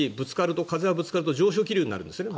風がぶつかると上昇気流になるんですね。